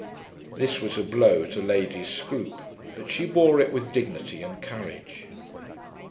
This was a blow to Lady Scroope, but she bore it with dignity and courage.